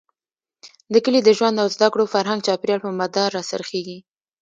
د کلي د ژوند او زده کړو، فرهنګ ،چاپېريال، په مدار را څرخېږي.